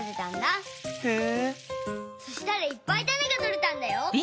そしたらいっぱいタネがとれたんだよ。